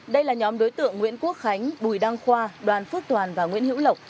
đây là nhóm đối tượng nguyễn quốc khánh bùi đăng khoa đoàn phước toàn và nguyễn hữu lộc